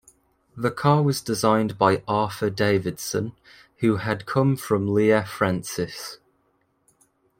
The car was designed by Arthur Davidson who had come from Lea-Francis.